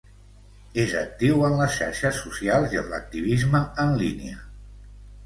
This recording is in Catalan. És actiu en les xarxes socials i en l'activisme en línia